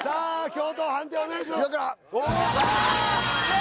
教頭判定お願いしますイワクラ！